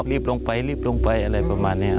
รีบลงไปอะไรประมาณนี้